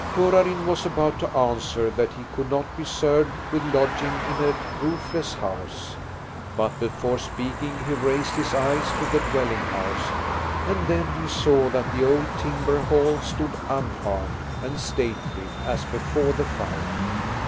Torarin was about to answer that he could not be served with lodging in a roofless house. But before speaking he raised his eyes to the dwelling house, and then he saw that the old timber hall stood unharmed and stately as before the fire.